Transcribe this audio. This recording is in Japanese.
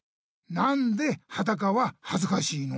なんではだかははずかしいの？